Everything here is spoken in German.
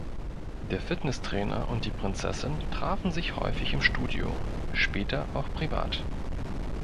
Der Fitnesstrainer und die Prinzessin trafen sich häufig im Studio, später auch privat.